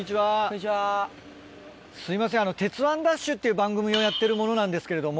すいません『鉄腕！ＤＡＳＨ‼』っていう番組をやってる者なんですけれども。